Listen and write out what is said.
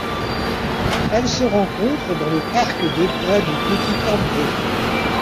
Elle se rencontre dans le parc d'État du pic Itambé.